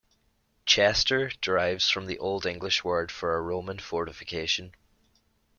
"Chester" derives from the Old English word for a Roman fortification.